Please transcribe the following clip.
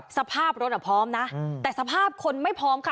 สภาพรถอ่ะพร้อมนะแต่สภาพคนไม่พร้อมค่ะ